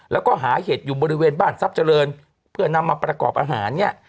แล้วก็หาเห็ดอยู่บริเวณบ้านทรัพย์เจริญเพื่อนำมาประกอบอาหารเนี่ย